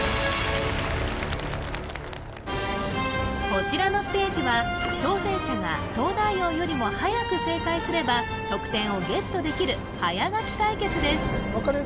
こちらのステージは挑戦者が東大王よりもはやく正解すれば得点をゲットできる早書き対決です